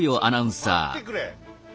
ちょっと待ってくれ！